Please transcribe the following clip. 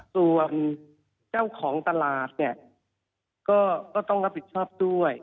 ส่วนเจ้าของตลาดเนี่ยก็ต้องรับผิดชอบด้วย